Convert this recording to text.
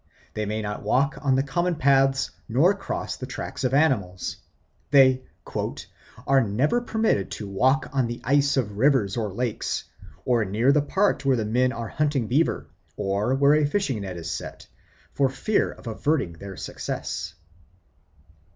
They may not walk on the common paths nor cross the tracks of animals. They "are never permitted to walk on the ice of rivers or lakes, or near the part where the men are hunting beaver, or where a fishing net is set, for fear of averting their success.